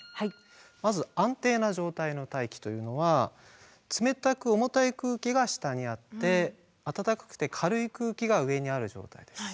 まず安定な状態の大気というのは冷たく重たい空気が下にあって温かくて軽い空気が上にある状態です。